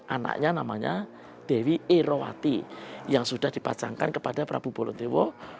anaknya namanya dewi erowati yang sudah dipacangkan kepada prabu bolotewo